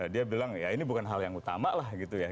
dia bilang ya ini bukan hal yang utama lah gitu ya